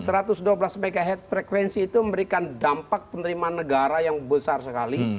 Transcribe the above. satu ratus dua belas mhz frekuensi itu memberikan dampak penerimaan negara yang besar sekali